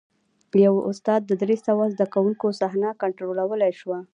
یوه استاد د درې سوه زده کوونکو صحنه کنټرولولی شوه.